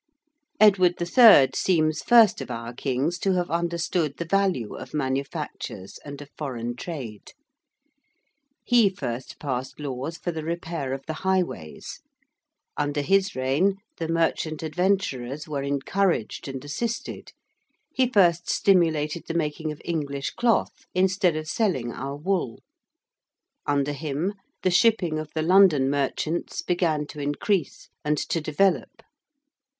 Edward III. seems first of our kings to have understood the value of manufactures and of foreign trade. He first passed laws for the repair of the highways: under his reign the Merchant Adventurers were encouraged and assisted: he first stimulated the making of English cloth instead of selling our wool: under him the shipping of the London merchants began to increase and to develop.